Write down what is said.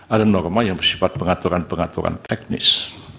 ada norma yang bersifat pengaturan pengaturan teknis